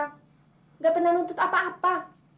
tidak pernah nuntut apa apa